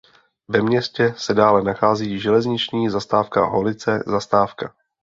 Ve městě se dále nachází železniční zastávka "Holice zastávka".